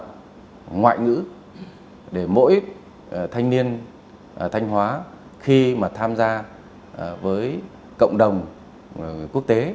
hỗ trợ ngoại ngữ để mỗi thanh niên thanh hóa khi mà tham gia với cộng đồng quốc tế